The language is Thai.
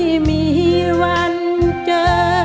แต่เธอจะไม่มีวันเจอ